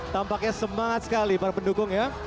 tampaknya semangat sekali para pendukung ya